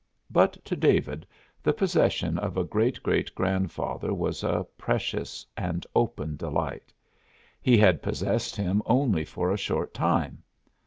But to David the possession of a great great grandfather was a precious and open delight. He had possessed him only for a short time.